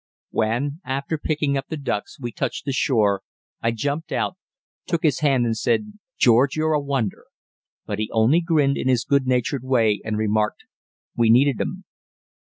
When, after picking up the ducks, we touched the shore, I jumped out, took his hand and said "George, you're a wonder." But he only grinned in his good natured way and remarked: "We needed 'em."